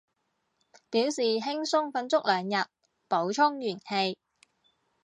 表示輕鬆瞓足兩日，補充元氣